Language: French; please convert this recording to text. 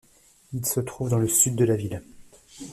Il se trouve dans le sud de la ville.